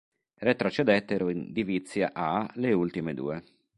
Retrocedettero in Divizia A le ultime due.